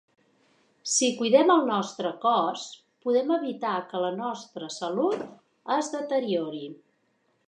Si cuidem el nostre cos, podem evitar que la nostra salut es deteriori.